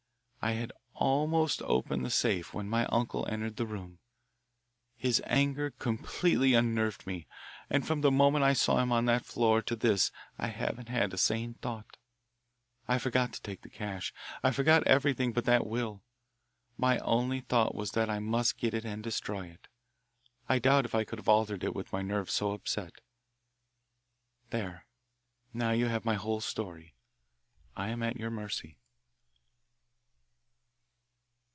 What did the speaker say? I had almost opened the safe when my uncle entered the room. His anger completely unnerved me, and from the moment I saw him on the floor to this I haven't had a sane thought. I forgot to take the cash, I forgot everything but that will. My only thought was that I must get it and destroy it. I doubt if I could have altered it with my nerves so upset. There, now you have my whole story. I am at your mercy."